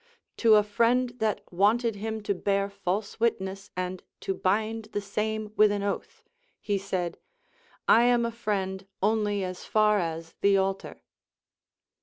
To a friend that wanted him to bear false wit ness and to bind the same with an oath, he said: 1 am a friend only as far as the altar.